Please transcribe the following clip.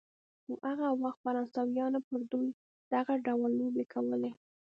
خو هغه وخت فرانسویانو پر دوی دغه ډول لوبې کولې.